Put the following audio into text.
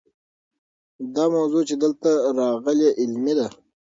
دا موضوع چې دلته راغلې علمي ده.